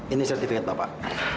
ini sertifikatnya pak